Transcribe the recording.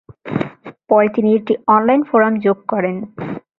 পরে তিনি একটি অনলাইন ফোরাম যোগ করেন।